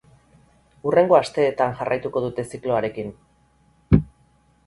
Hurrengo asteartean jarraituko dute zikloarekin.